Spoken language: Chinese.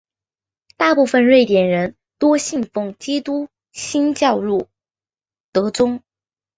大部分瑞典人多信奉基督新教路德宗。